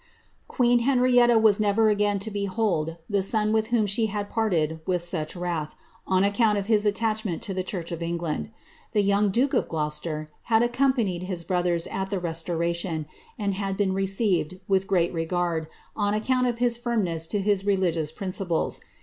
Qneen Henrietta was never again to behold the son with whom she id parted with such wrath, on account of his attachment to the church f Elngland. The young duke of Gloucester had accompanied his bro lers at the Restoration, and had been received with great regard, on Kount of his firmness to his religious principles.